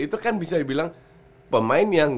itu kan bisa dibilang pemain yang